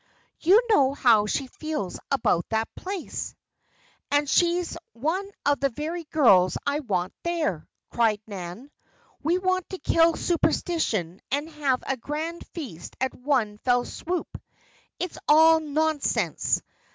"You know how she feels about that place." "And she's one of the very girls I want there," cried Nan. "We want to kill superstition and have a grand feast at one fell swoop. It's all nonsense!